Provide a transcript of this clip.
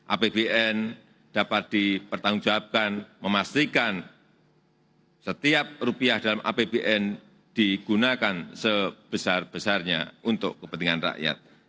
apbn dapat dipertanggungjawabkan memastikan setiap rupiah dalam apbn digunakan sebesar besarnya untuk kepentingan rakyat